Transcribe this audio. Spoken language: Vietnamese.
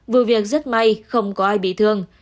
vụ việc rất may không có ai bị thương